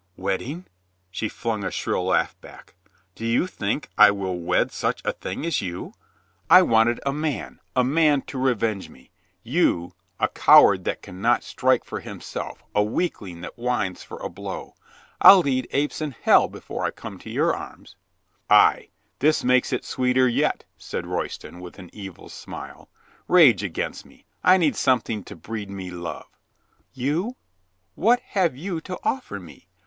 "Wedding?" She flung a shrill laugh back. "Do you think I will wed such a thing as you ? I wanted a man — a man to revenge me. You — a coward that 278 COLONEL GREATHEART can not strike for himself, a weakling that whines for a blow. I'll lead apes in hell before I come to your arms." "Ay, this makes it sweeter yet," said Royston, with an evil smile. "Rage against me. I need some thing to breed me love." "You — what have you to offer me?